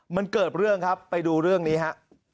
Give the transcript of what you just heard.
มันเกิดเรื่องครับไปดูเรื่องนี้ฮะ